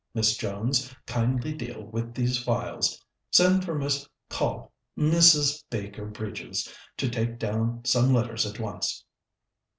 Miss Jones, kindly deal with these files.... Send for Miss Coll Mrs. Baker Bridges, to take down some letters at once."